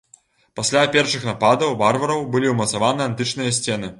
Пасля першых нападаў варвараў былі ўмацаваны антычныя сцены.